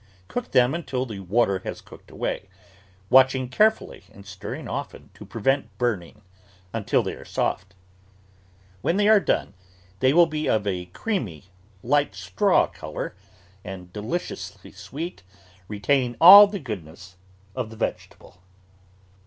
Cook them until the water has cooked away, watching care fully and stirring often to prevent burning, until they are soft. When they are done, they will be of a creamy, light straw colour and deliciously sweet, retaining all the goodness of the vegetable.